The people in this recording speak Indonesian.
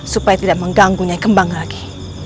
supaya tidak mengganggu nyai kembang lagi